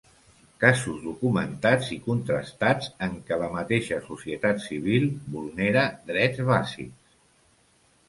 Casos documentats i contrastats en què la mateixa societat civil vulnera drets bàsics.